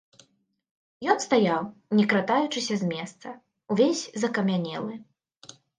Ён стаяў, не кратаючыся з месца, увесь закамянелы.